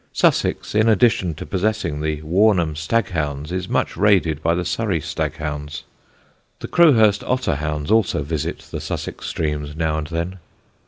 Sussex, in addition to possessing the Warnham Staghounds, is much raided by the Surrey Staghounds. The Crowhurst Otter Hounds also visit the Sussex streams now and then.